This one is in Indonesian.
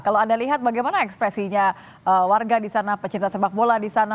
kalau anda lihat bagaimana ekspresinya warga disana pecinta sepak bola disana